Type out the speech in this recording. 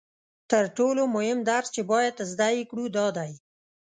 تر ټولو مهم درس چې باید زده یې کړو دا دی